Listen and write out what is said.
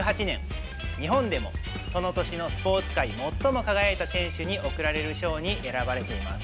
日本でもその年のスポーツ界、最も輝いた選手に贈られる賞に選ばれています。